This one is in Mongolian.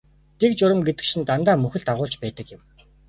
Дэг журам гэдэг чинь дандаа мөхөл дагуулж байдаг юм.